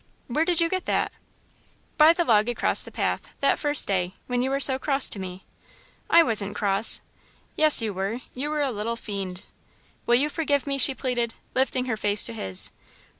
"Where did you get that?" "By the log across the path, that first day, when you were so cross to me." "I wasn't cross!" "Yes you were you were a little fiend." "Will you forgive me?" she pleaded, lifting her face to his.